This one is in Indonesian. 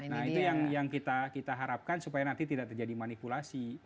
nah itu yang kita harapkan supaya nanti tidak terjadi manipulasi